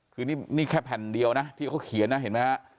คือนี่แค่แผ่นเดียวนะที่เขาเขียนนะเห็นไหมฮะ